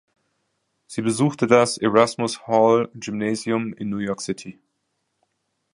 Sie besuchte das "Erasmus Hall Gymnasium" in New York City.